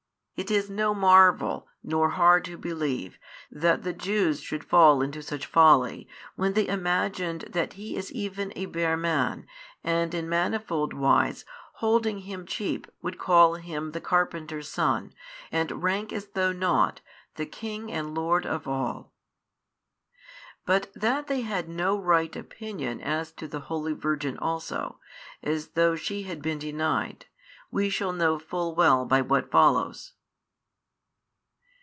It is no marvel, nor hard to believe, that the Jews should fall into such folly, when they imagined that He is even a bare man and in manifold wise holding Him cheap would call Him the carpenter's son and rank as though nought the King and Lord of all. But that they had no right opinion as to the holy Virgin also, as though she had been denied, we shall know full well by what follows.